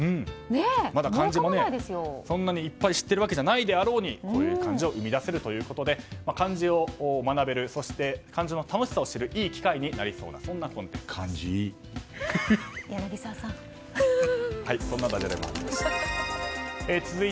まだ感じもそんなにいっぱい知っているわけじゃないだろうに生み出せるということで漢字を学べるそして、漢字の楽しさを知るいい機会になりそうな感じ、いい。